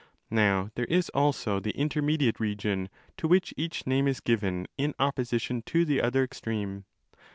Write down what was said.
Now there is also the inter mediate region to which each name is given in opposition to the other extreme.